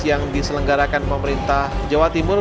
yang diselenggarakan pemerintah jawa timur